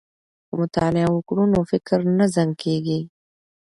که مطالعه وکړو نو فکر نه زنګ کیږي.